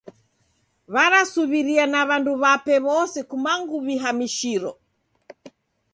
Warasuw'iria na w'andu w'ape w'ose kumangu w'ihamishiro.